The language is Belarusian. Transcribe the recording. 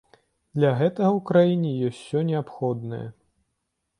Для гэтага ў краіне ёсць усе неабходнае.